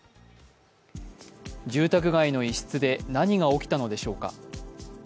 住宅街の一室で何が起きたのでしょうか？